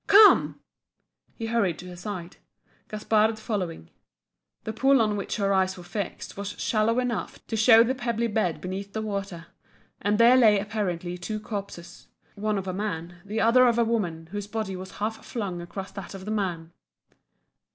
Come!" He hurried to her side, Gaspard following. The pool on which her eyes were fixed was shallow enough to show the pebbly bed beneath the water and there lay apparently two corpses one of a man, the other of a woman whose body was half flung across that of the man.